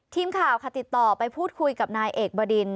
ทีมข่าวค่ะติดต่อไปพูดคุยกับนายเอกบดิน